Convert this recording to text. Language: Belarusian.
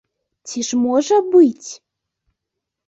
Ці ж можа быць!